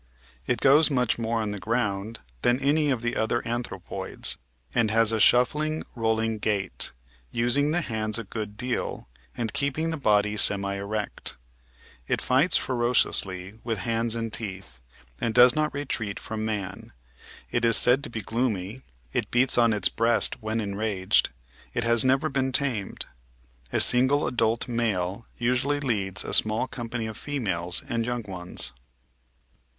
It goes much more on the ground than any of the other anthro poids, and has a shufiling, rolling gait, using the hands a good deal, and keeping the body semi erect. It fights ferociously with hands and teeth, and does not retreat from man. It is said to be gloomy ; it beats on its breast when enraged ; it has never been tamed. A single adult male usually leads a small company of females and young ones.